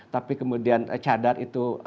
tapi kemudian cadar itu